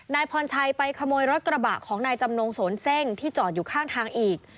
นายพรชัยไปขโมยรถกระบะของนายจำนงโสนเซ่งที่จอดอยู่ข้างทางอีก